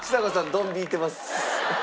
ドン引いてます。